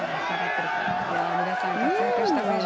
皆さん、活躍した選手